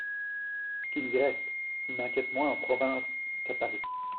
Qu’ils y restent ; ils m’inquiètent moins en province qu’à Paris…